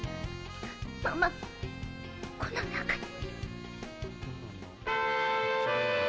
ママが、この中に。